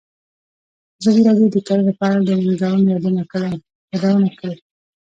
ازادي راډیو د کرهنه په اړه د ننګونو یادونه کړې.